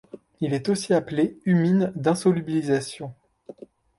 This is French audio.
Il est aussi appelé humine d'insolubilisation.